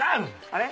あれ？